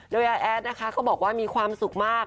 โดยอาแอดนะคะก็บอกว่ามีความสุขมาก